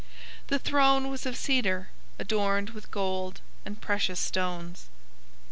The throne was of cedar, adorned with gold and precious stones.